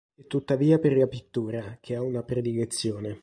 È tuttavia per la pittura che ha una predilezione.